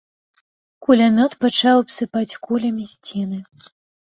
Кулямёт пачаў абсыпаць кулямі сцены.